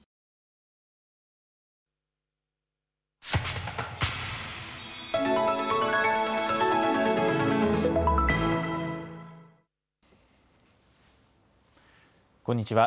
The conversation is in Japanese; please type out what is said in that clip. こんにちは。